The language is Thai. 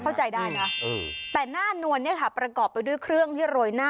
เข้าใจได้นะแต่หน้านวลเนี่ยค่ะประกอบไปด้วยเครื่องที่โรยหน้า